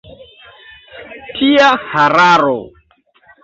Tia hararo!